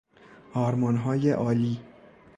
آرمانهای عالی